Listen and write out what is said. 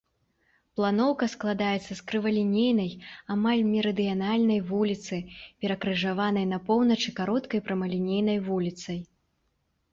Планоўка складаецца з крывалінейнай амаль мерыдыянальнай вуліцы, перакрыжаванай на поўначы кароткай прамалінейнай вуліцай.